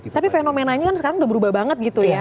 tapi fenomenanya kan sekarang udah berubah banget gitu ya